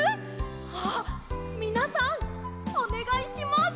あっみなさんおねがいします！